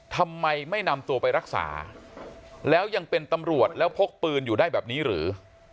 ทำไมไม่นำตัวไปรักษาแล้วยังเป็นตำรวจแล้วพกปืนอยู่ได้แบบนี้หรือ